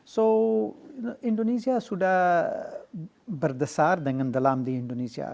so indonesia sudah berdesar dengan dalam di indonesia